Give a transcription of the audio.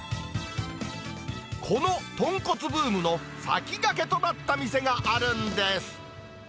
このとんこつブームの先駆けとなった店があるんです。